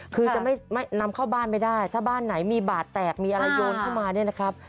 คือจะไม่นำเข้าบ้านไม่ได้ถ้าบ้านไหนมีบาดแตกมีอะไรโยนเข้ามาเนี่ยนะครับ